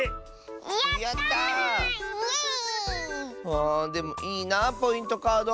あでもいいなあポイントカード。